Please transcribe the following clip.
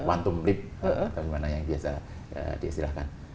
one tomb leap atau gimana yang biasa diistilahkan